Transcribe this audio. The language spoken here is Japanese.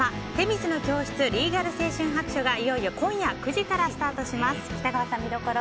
「女神の教室リーガル青春白書」がいよいよ今夜９時からスタートします。